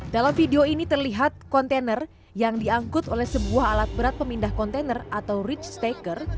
dalam video ini terlihat kontainer yang diangkut oleh sebuah alat berat pemindah kontainer atau rich taker